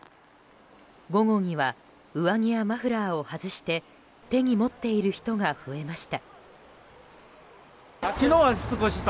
午後には上着やマフラーを外して手に持っている人が増えました。